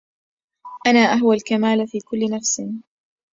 أنا أهوى الكمال في كل نفس